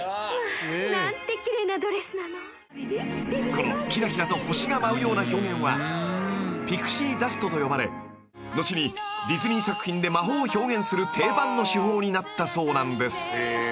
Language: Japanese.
［このキラキラと星が舞うような表現はピクシーダストと呼ばれ後にディズニー作品で魔法を表現する定番の手法になったそうなんです］